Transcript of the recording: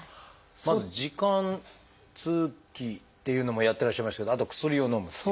まず「耳管通気」っていうのもやってらっしゃいましたけどあと薬をのむっていう。